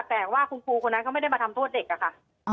แต่ว่าคุณครูคนนั้นเขาไม่ได้มาทำโทษเด็กอะค่ะ